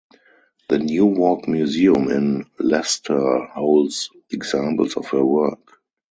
The New Walk Museum in Leicester holds examples of her work.